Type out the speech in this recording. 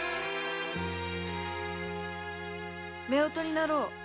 「夫婦になろう」